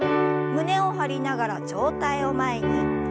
胸を張りながら上体を前に。